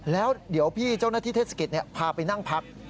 แล้วเดี๋ยวพี่เจ้าหน้าที่เทศกิจพาไปนั่งพัก